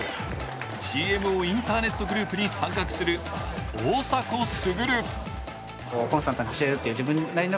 ＧＭＯインターネットグループに参画する大迫傑。